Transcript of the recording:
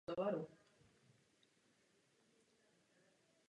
Dále můžeme předkládat sladké ovoce.